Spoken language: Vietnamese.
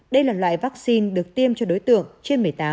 đây là loại vắc xin được tiêm cho đối tượng trên một mươi tám